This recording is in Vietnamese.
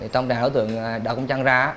tổng đài đối tượng đã trăng ra